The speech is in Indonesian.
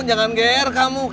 jangan geer kamu